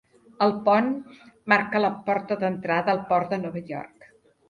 El pont marca la porta d'entrada al port de Nova York.